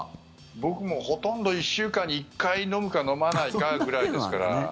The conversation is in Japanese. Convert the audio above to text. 僕もほとんど１週間に１回飲むか飲まないかぐらいですから。